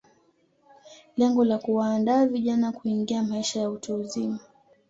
Lengo la kuwaandaa vijana kuingia maisha ya utu uzima